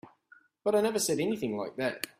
But I never said anything like that.